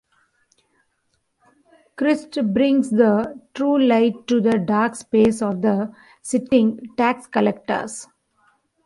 Christ brings the true light to the dark space of the sitting tax-collectors.